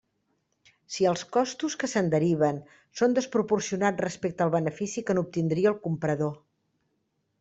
Si els costos que se'n deriven són desproporcionats respecte al benefici que n'obtindria el comprador.